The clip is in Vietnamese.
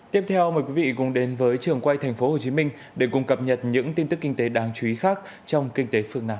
tiếp theo mời quý vị cùng đến với trường quay tp hcm để cùng cập nhật những tin tức kinh tế đáng chú ý khác trong kinh tế phương nam